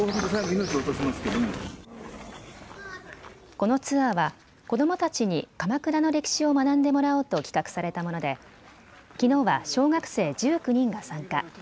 このツアーは子どもたちに鎌倉の歴史を学んでもらおうと企画されたものできのうは小学生１９人が参加。